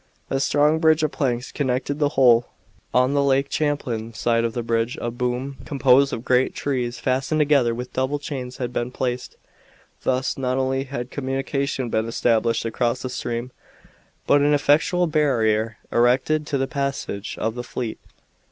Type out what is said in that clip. A strong bridge of planks connected the whole. On the Lake Champlain side of the bridge a boom, composed of great trees fastened together with double chains, had been placed. Thus, not only had communication been established across the stream, but an effectual barrier erected to the passage of the fleet.